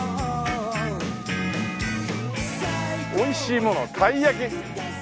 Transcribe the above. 美味しいものたい焼き。